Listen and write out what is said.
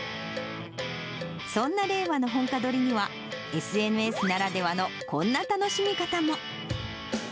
そんな令和の本歌取りには、ＳＮＳならではのこんな楽しみ方も。